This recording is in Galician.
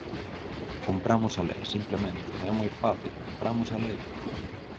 Cumpramos a lei, simplemente, é moi fácil, cumpramos a lei.